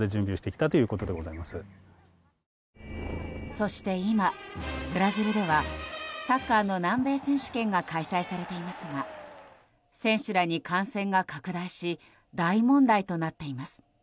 そして今、ブラジルではサッカーの南米選手権が開催されていますが選手らに感染が拡大し大問題となっています。